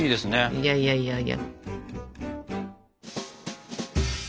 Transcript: いやいやいやいや。